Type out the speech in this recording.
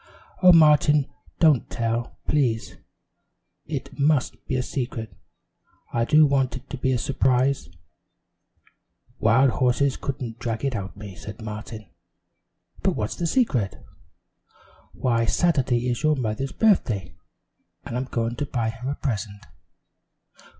"Oh, Martin, don't tell, please. Oh, it must be a secret! I do want it to be a surprise!" "Wild horses couldn't drag it out of me," said Martin; "but what's the secret?" "Why, Saturday is your mother's birthday, and I'm going to buy her a present."